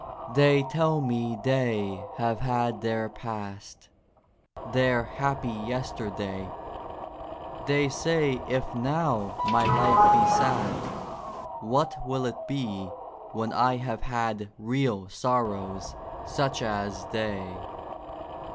They tell me they have had their Past, Their happy Yesterday ; They say if now my life be sad. What will it be when I have had Real sorrows, such as they